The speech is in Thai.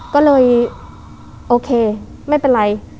ก็เลยโอเคไม่เป็นไร